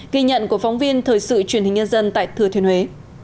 ghi nhận của phóng viên thời sự truyền hình nhân dân tại thừa thiên huế